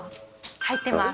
入ってます。